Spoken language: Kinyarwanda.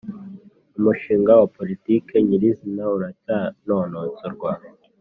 Umushinga wa Politiki nyir’izina uracyanonosorwa